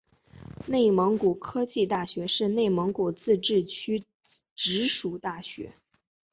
内蒙古科技大学是内蒙古自治区直属大学。